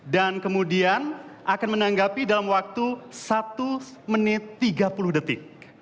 dan kemudian akan menanggapi dalam waktu satu menit tiga puluh detik